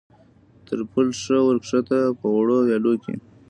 تر پل ښه ور کښته، په وړو ویالو کې.